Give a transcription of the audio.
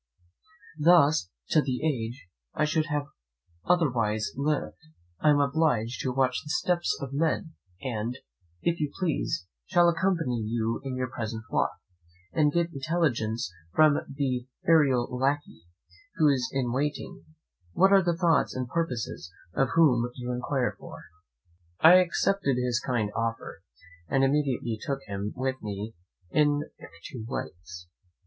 Thus, till the age I should have otherwise lived, I am obliged to watch the steps of men; and, if you please, shall accompany you in your present walk, and get you intelligence from the aerial lackey, who is in waiting, what are the thoughts and purposes of any whom you inquire for." I accepted his kind offer, and immediately took him with me in a hack to White's.